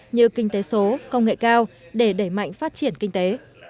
như kinh tế số công nghệ cao để đẩy mạnh phát triển kinh tế